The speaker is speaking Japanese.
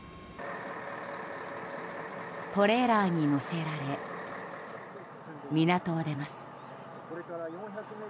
トレーラーに載せられ港を出ます。